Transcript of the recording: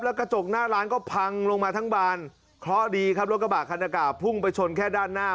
แล้วกระจกหน้าร้านก็พังลงมาทั้งบานเคราะห์ดีครับรถกระบะคันหน้ากากพุ่งไปชนแค่ด้านหน้า